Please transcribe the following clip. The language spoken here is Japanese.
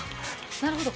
なるほど。